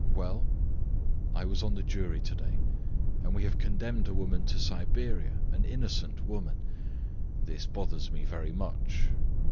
Well?" "I was on the jury to day, and we have condemned a woman to Siberia, an innocent woman. This bothers me very much."